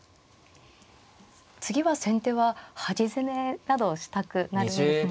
次は先手は端攻めなどをしたくなりますが。